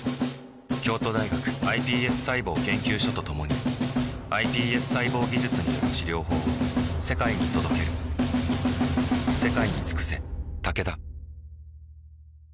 京都大学ｉＰＳ細胞研究所と共にｉＰＳ細胞技術による治療法を世界に届けるイヤ！